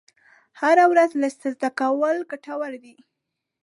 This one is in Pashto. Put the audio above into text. هره ورځ لږ څه زده کول ګټور دي.